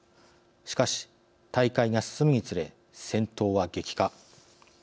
しかし、大会が進むにつれ戦闘は激化。